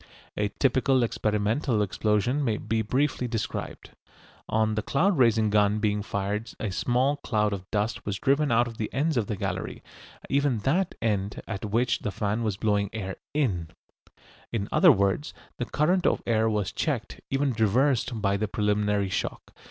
A typical experimental explosion may be briefly described. On the cloud raising gun being fired a small cloud of dust was driven out of the ends of the gallery, even that end at which the fan was blowing air in. In other words, the current of air was checked, even reversed, by the preliminary shock.